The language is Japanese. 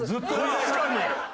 確かに！